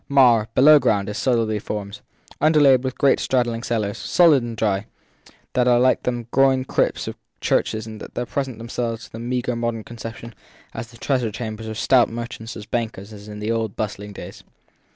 Marr, below ground, is solidly founded underlaid with great straddling cellars, sound and dry, that are like the groined crypts of churches and that present themselves to the meagre modern conception as the treasure chambers of stout merchants and bankers in the old bustling days.